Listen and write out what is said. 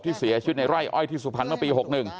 เสียชีวิตในไร่อ้อยที่สุพรรณเมื่อปี๖๑